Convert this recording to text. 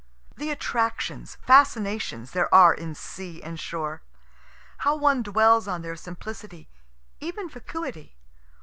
The attractions, fascinations there are in sea and shore! How one dwells on their simplicity, even vacuity!